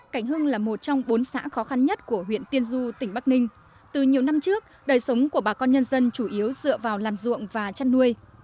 cảnh hưng là một trong bốn xã khó khăn nhất của huyện tiên du tỉnh bắc ninh từ nhiều năm trước đời sống của bà con nhân dân chủ yếu dựa vào làm ruộng và chăn nuôi